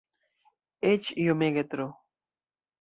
Eĉ iomege tro.